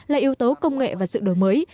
là yếu tố công nghệ và sự đổi mới